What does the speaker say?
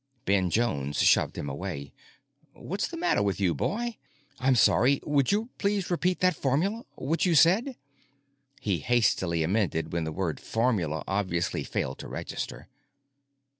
Ben Jones shoved him away. "What's the matter with you, boy?" "I'm sorry. Would you please repeat that formula? What you said?" he hastily amended when the word "formula" obviously failed to register.